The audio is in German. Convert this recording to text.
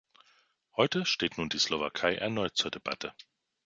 Heute nun steht die Slowakei erneut zur Debatte.